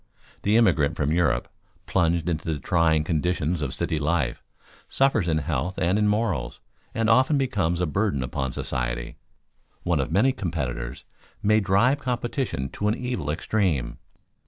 The immigrant from Europe, plunged into the trying conditions of city life, suffers in health and in morals, and often becomes a burden upon society. One of many competitors may drive competition to an evil extreme.